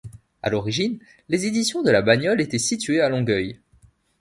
À l'origine, les Éditions de la Bagnole étaient situées à Longueuil.